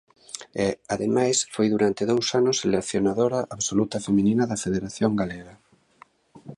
E, ademais, foi durante dous anos seleccionadora absoluta feminina da Federación Galega.